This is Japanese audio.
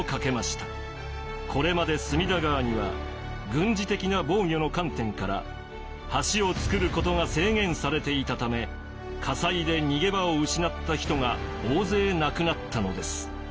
これまで隅田川には軍事的な防御の観点から橋を造ることが制限されていたため火災で逃げ場を失った人が大勢亡くなったのです。